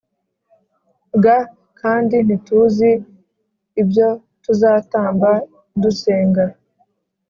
g kandi ntituzi ibyo tuzatamba dusenga